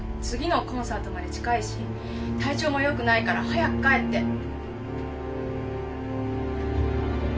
次のコンサートまで近いし体調も良くないから早く帰って。